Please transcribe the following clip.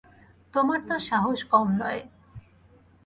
তোমার তো সাহস কম নয়।